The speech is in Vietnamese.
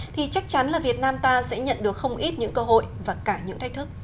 thì chắc chắn là việt nam ta sẽ nhận được không ít những cơ hội và cả những thách thức